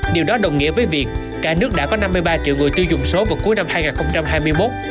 điều đó đồng nghĩa với việc cả nước đã có năm mươi ba triệu người tiêu dùng số vào cuối năm hai nghìn hai mươi một